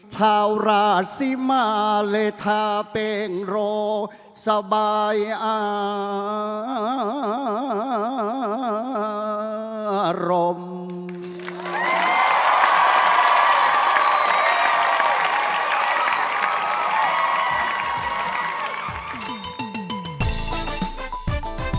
เท่ารักสิมาและเธอเป็นโรคสบายอารมณ์